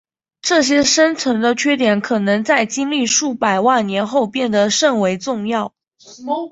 这些深层的缺点可能在经历数百万年后变得甚为重要。